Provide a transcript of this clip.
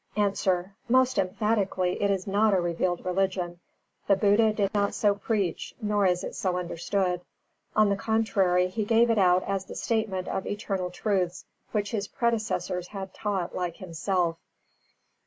_ A. Most emphatically it is not a revealed religion. The Buddha did not so preach, nor is it so understood. On the contrary, he gave it out as the statement of eternal truths, which his predecessors had taught like himself.